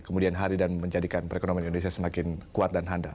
dan kemudian hari dan menjadikan perekonomian indonesia semakin kuat dan handal